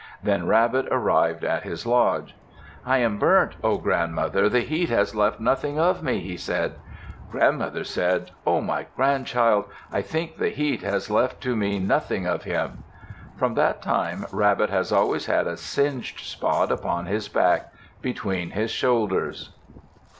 Then Rabbit arrived at his lodge. "I am burnt. Oh, grandmother! the heat has left nothing of me," he said. Grandmother said, "Oh, my grandchild! I think the heat has left to me nothing of him!" From that time Rabbit has always had a singed spot upon his back, between his shoulders.